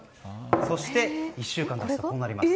そして、１週間経つとこうなります。